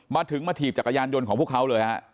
มาถึงมาถีบจักรยานยนต์ของพวกเขาเลยฮะ